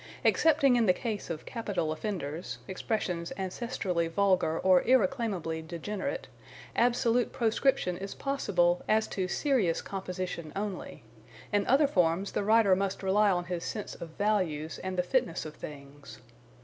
Excepting in the case of capital offenders expressions ancestrally vulgar or irreclaimably degenerate absolute proscription is possible as to serious composition only; in other forms the writer must rely on his sense of values and the fitness of things.